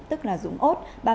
tức là dũng ốt